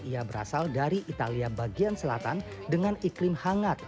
ia berasal dari italia bagian selatan dengan iklim hangat